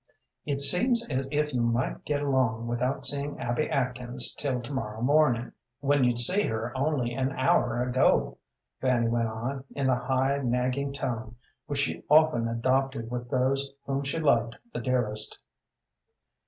"It seems as if you might get along without seein' Abby Atkins till to morrow mornin', when you'd seen her only an hour ago," Fanny went on, in the high, nagging tone which she often adopted with those whom she loved the dearest.